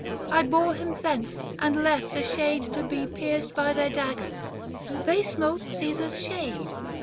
I bore him thence and left a shade to be Pierced by their daggers ; they smote Caesar's shade.